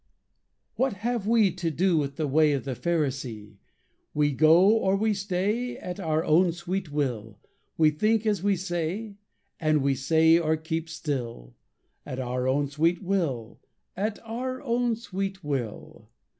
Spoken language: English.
What have we To do with the way Of the Pharisee? We go or we stay At our own sweet will; We think as we say, And we say or keep still At our own sweet will, At our own sweet will.